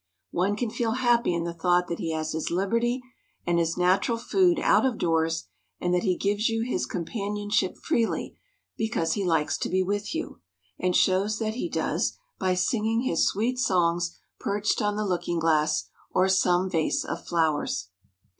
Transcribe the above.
One can feel happy in the thought that he has his liberty and his natural food out of doors, and that he gives you his companionship freely because he likes to be with you, and shows that he does, by singing his sweet songs perched on the looking glass or some vase of flowers.